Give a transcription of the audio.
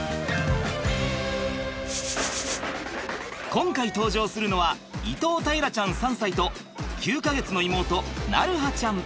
今回登場するのは伊藤大樂ちゃん３歳と９か月の妹鳴映ちゃん。